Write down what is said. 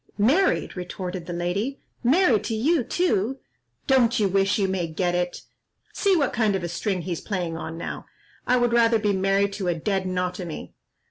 "Married!" retorted the lady, "married to you too! Don't you wish you may get it? See what kind of a string he's playing on now. I would rather be married to a dead notomy."